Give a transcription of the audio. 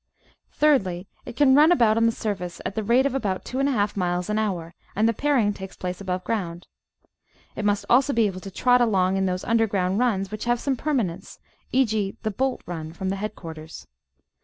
Thirdly, it can run about on the surface at the rate of about 2^ miles an hour, and the pairing takes place above ground. It must also be able to trot along in those imderground runs which have some per manence, e.g. the "bolt run" from the headquarters.